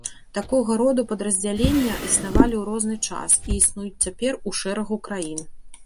Такога роду падраздзялення існавалі ў розны час і існуюць цяпер у шэрагу краін.